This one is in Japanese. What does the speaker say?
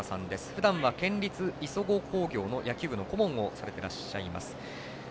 ふだんは県立磯子工業の野球部の顧問をされていらっしゃいます。